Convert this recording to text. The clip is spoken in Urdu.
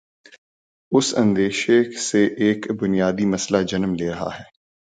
اس اندیشے سے ایک بنیادی مسئلہ جنم لے رہاہے۔